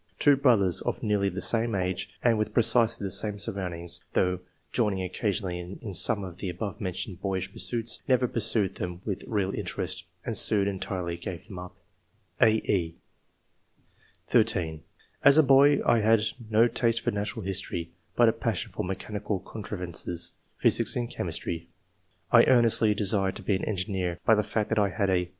Two brothers, of nearly the same age, and with precisely the same surround ings, though joining occasionally in some of the above mentioned boyish pursuits, never pursued them with real interest, and soon entirely gave them up." (a, e) (13) "As a boy, I had no taste for natural history, but a passion for mechanical contri III.] ORIGIN OF TASTE FOB SCIENCE. 171 vances, physics, and chemistry. I earnestly desired to be an engineer, but the fact that I had a